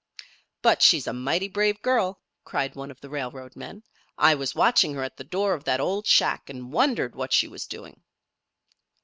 "But she's a mighty brave girl," cried one of the railroad men. "I was watching her at the door of that old shack, and wondered what she was doing."